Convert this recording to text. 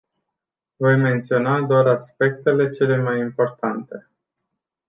Voi menționa doar aspectele cele mai importante.